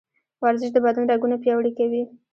ورزش د بدن رګونه پیاوړي کوي.